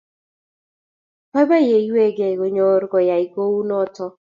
Baibai ye weegei konyor koyaei ko u noto